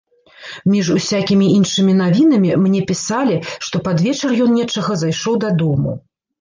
Між усякімі іншымі навінамі мне пісалі, што пад вечар ён нечага зайшоў дадому.